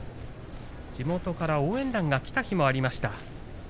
地元から応援団が来たこともありました。